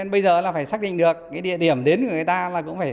bây giờ là phải xác định được cái địa điểm đến của người ta là cũng phải